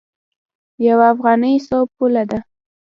یوه افغانۍ څو پوله ده؟